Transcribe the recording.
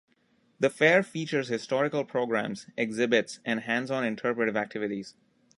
The fair features historical programs, exhibits and hands-on interpretive activities.